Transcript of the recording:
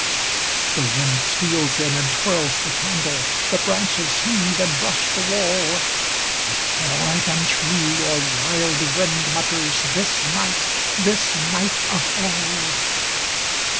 The wind steals in and twirls the candle, The branches heave and brush the wall, But more than tree or wild wind mutters This night, this night of all.